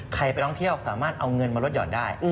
ไปท่องเที่ยวสามารถเอาเงินมาลดหย่อนได้